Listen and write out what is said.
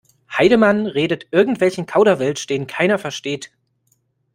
Heidemann redet irgendwelchen Kauderwelsch, den keiner versteht.